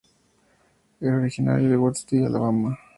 Era originario de Huntsville, Alabama.